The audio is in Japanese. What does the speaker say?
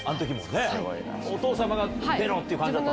お父様が出ろ！って感じだった？